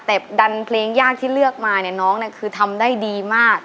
แต่ดันเพลงยากที่เลือกมาเนี่ยน้องเนี่ยคือทำได้ดีมาก